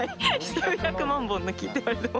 数百万本の木って言われても。